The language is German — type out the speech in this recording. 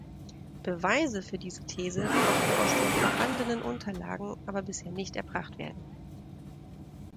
Beweise für diese These konnten aus den vorhandenen Unterlagen aber bisher nicht erbracht werden.